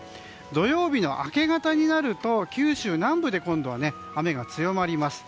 土曜日の明け方になると九州南部で今度は雨が強まります。